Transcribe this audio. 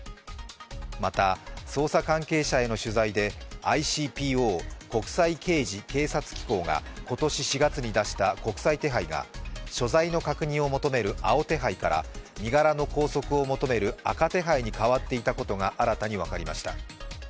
また捜査関係者への取材でＩＣＰＯ＝国際刑事警察機構が今年４月に出した国際手配が所在の確認を求める青手配から身柄の拘束を求める赤手配に変わっていたことが新たに分かりました。